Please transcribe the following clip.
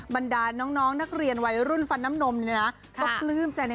บันดาลน้องนักเรียนวัยรุ่นฟันน้ำหนมเนี่ยะ